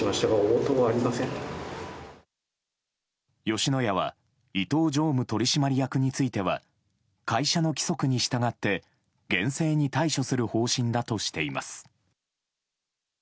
吉野家は伊東常務取締役については会社の規則に従って、厳正に対処する方針だとしています。